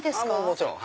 もちろん。